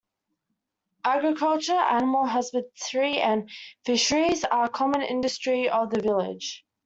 Agriculture, Animal Husbandry and Fisheries are the common industry of the village.